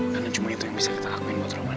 karena cuma itu yang bisa kita lakuin buat roman